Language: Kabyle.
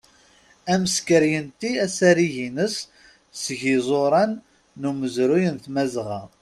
Ameskar yenti asarig-ines seg iẓuran n umezruy n tmazɣa.